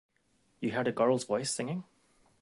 You heard a girl's voice singing?